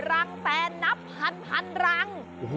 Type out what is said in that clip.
รังแตนนับพันรัง